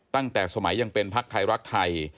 ตั้งแต่สมัยยังเป็นพักไทยรักไทย